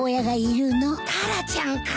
タラちゃんか。